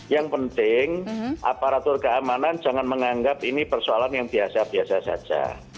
yang penting aparatur keamanan jangan menganggap ini persoalan yang biasa biasa saja